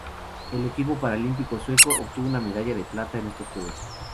El equipo paralímpico sueco obtuvo una medalla de plata en estos Juegos.